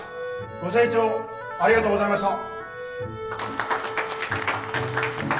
ご清聴ありがとうございました。